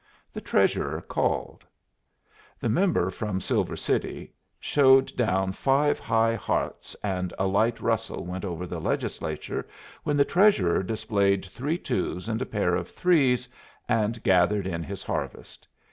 The Treasurer called. The member from Silver City showed down five high hearts, and a light rustle went over the Legislature when the Treasurer displayed three twos and a pair of threes, and gathered in his harvest.